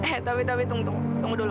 eh tapi tunggu dulu